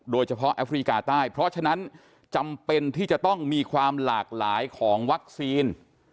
แอฟริกาใต้เพราะฉะนั้นจำเป็นที่จะต้องมีความหลากหลายของวัคซีน